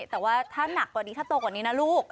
แต่ว่าถ้าหนักกว่านี้ถ้าโตกว่านี้นะลูก